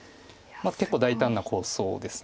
結構大胆な構想です。